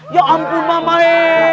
ya ampun mamae